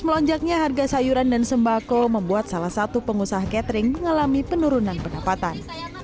melonjaknya harga sayuran dan sembako membuat salah satu pengusaha catering mengalami penurunan pendapatan